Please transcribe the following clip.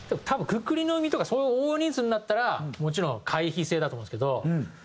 多分くくり飲みとかそういう大人数になったらもちろん会費制だと思うんですけど。